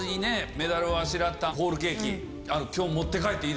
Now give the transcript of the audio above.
メダルをあしらったホールケーキ。